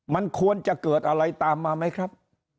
มันควรจะเกิดอะไรตามมาไหมครับ